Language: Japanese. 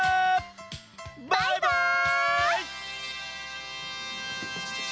バイバイ！